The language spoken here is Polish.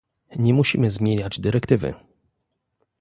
Nie musimy zmieniać dyrektywy